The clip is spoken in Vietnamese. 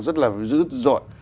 rất là dữ dội